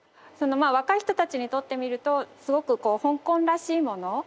そのまあ若い人たちにとってみるとすごくこう香港らしいもの